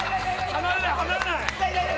離れない離れない！